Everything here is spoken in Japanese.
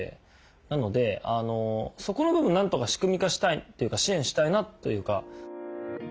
なのでそこの部分何とか仕組み化したいというか支援したいなというか。